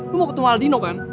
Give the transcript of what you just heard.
lu mau ketemu aldino kan